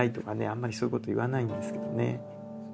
あんまりそういうこと言わないんですけどね。